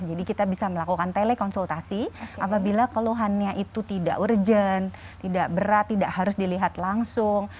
jadi kita bisa melakukan telekonsultasi apabila keluhannya itu tidak urgent tidak berat tidak harus dilihat langsung